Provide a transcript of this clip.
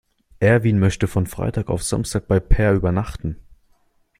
Erwin möchte von Freitag auf Samstag bei Peer übernachten.